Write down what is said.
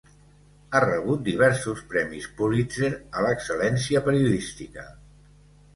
Ha rebut diversos Premis Pulitzer a l'excel·lència periodística.